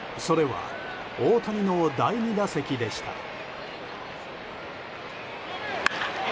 それは大谷の第２打席でした。